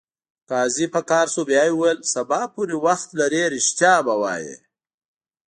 قاضي په قهر شو بیا یې وویل: سبا پورې وخت لرې ریښتیا به وایې.